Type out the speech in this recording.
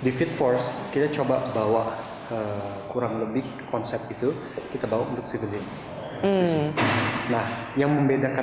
di fit force kita coba bawa kurang lebih konsep itu kita bawa untuk city nah yang membedakan